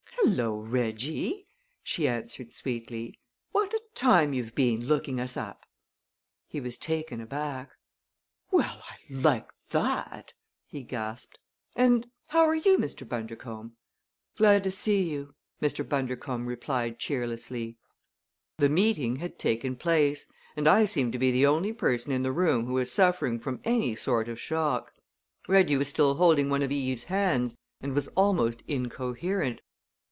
"Hello, Reggie!" she answered sweetly. "What a time you've been looking us up." He was taken aback. "Well, I like that!" he gasped. "And how are you, Mr. Bundercombe?" "Glad to see you!" Mr. Bundercombe replied cheerlessly. The meeting had taken place and I seemed to be the only person in the room who was suffering from any sort of shock. Reggie was still holding one of Eve's hands and was almost incoherent.